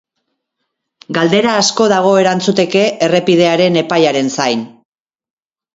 Galdera asko dago erantzuteke, errepidearen epaiaren zain.